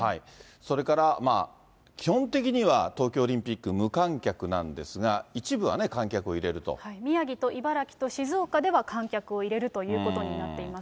それから、基本的には東京オリンピック、無観客なんですが、宮城と茨城と静岡では、観客を入れるということになっています。